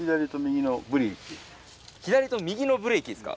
左と右のブレーキですか？